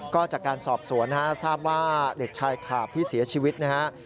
ก็จากการสอบสวนสามว่าหลีกชายขาบที่เสียชีวิตนะ